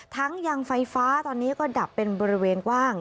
ยังไฟฟ้าตอนนี้ก็ดับเป็นบริเวณกว้าง